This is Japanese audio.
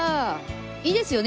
いいですよね